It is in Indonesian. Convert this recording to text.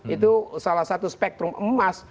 itu salah satu spektrum emas